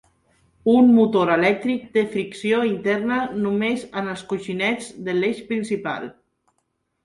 Un motor elèctric té fricció interna només en els coixinets de l'eix principal.